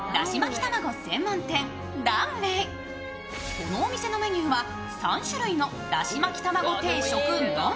このお店のメニューは３種類のだしまき玉子定食のみ。